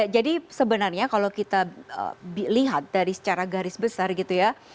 jadi sebenarnya kalau kita lihat dari secara garis besar gitu ya